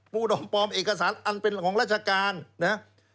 ๒๖๖ปูดอมปลอมเอกสารอันเป็นของราชการนะ